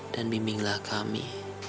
dan bimbinglah kami